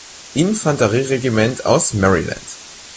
Infanterieregiment aus Maryland.